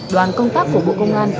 đoàn công tác của bộ công an